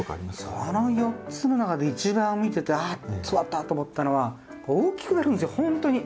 その４つの中で一番見てて「あっそうだった！」と思ったのは大きくなるんですよほんとに。